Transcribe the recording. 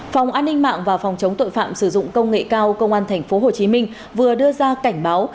phòng an ninh mạng và phòng chống tội phạm sử dụng công nghệ cao công an tp hcm vừa đưa ra cảnh báo